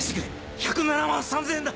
１０７万３０００円だ！